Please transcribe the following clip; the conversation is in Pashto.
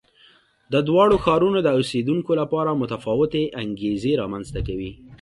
د دواړو ښارونو د اوسېدونکو لپاره متفاوتې انګېزې رامنځته کوي.